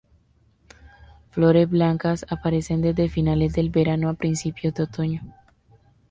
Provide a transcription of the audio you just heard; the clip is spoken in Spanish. Flores blancas aparecen desde finales del verano a principios de otoño.